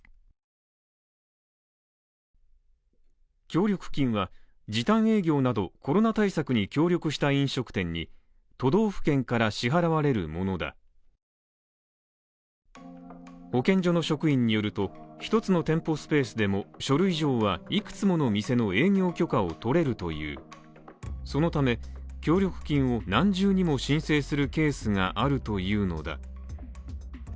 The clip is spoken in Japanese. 協力金は時短営業などコロナ対策に協力した飲食店に都道府県から支払われるものだ保健所の職員によると、一つの店舗スペースでも書類上はいくつもの店の営業許可をとれるというそのため、協力金を何重にも申請するケースがあるというのだ。